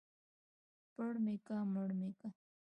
ـ پړ مى که مړ مى که.